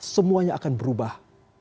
semuanya akan berubah